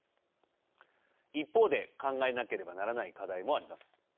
一方で考えなければならない課題もあります。